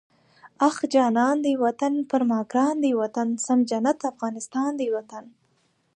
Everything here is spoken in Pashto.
اخ جانان دی وطن، پر ما ګران دی وطن، سم جنت افغانستان دی وطن